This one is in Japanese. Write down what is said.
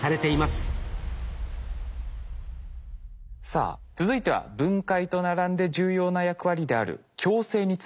さあ続いては分解と並んで重要な役割である共生についてです。